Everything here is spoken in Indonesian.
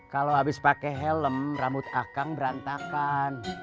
kalo abis pake helm rambut akang berantakan